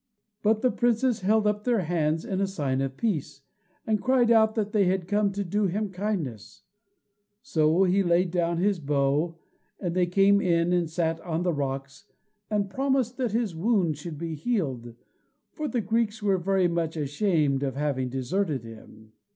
But the princes held up their hands in sign of peace, and cried out that they had come to do him kindness, so he laid down his bow, and they came in and sat on the rocks, and promised that his wound should be healed, for the Greeks were very much ashamed of having deserted him.